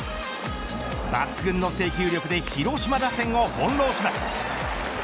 抜群の制球力で広島打線をほんろうします。